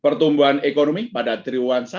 pertumbuhan ekonomi pada triwuan satu dua bulan